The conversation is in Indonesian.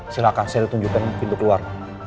silahkan saya tunjukkan pintu keluar